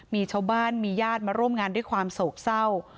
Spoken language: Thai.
มีชาวบ้านมีญาติมาร่วมงานด้วยความโศกเศร้า